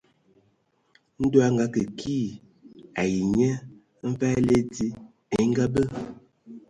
Ndɔ a akə kii ai nye mfag èle dzi e ngabe.